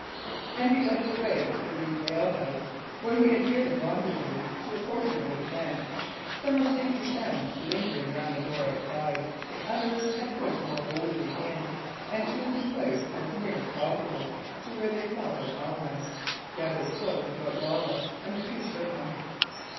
And he led the way to the rude alehouse where he had given rendezvous to a portion of his men. Some of these he found lingering round the door outside; others had pushed more boldly in, and, choosing places as near as possible to where they saw their comrade, gathered close about Lawless and the two shipmen.